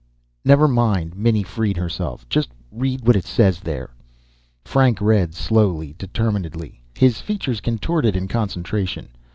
"Never mind." Minnie freed herself. "Just read what it says there." Frank read slowly, determinedly, his features contorted in concentration.